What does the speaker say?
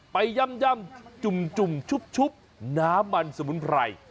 ย่ำจุ่มชุบน้ำมันสมุนไพร